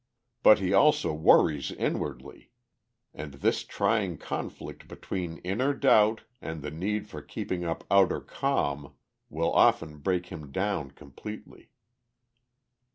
But he also worries inwardly, and this trying conflict between inner doubt and the need for keeping up outer calm will often break him down completely.